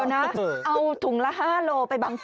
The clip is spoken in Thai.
เอาถุงละ๕กิโลกรัมไปบังฝน